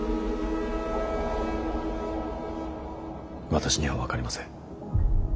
私には分かりません。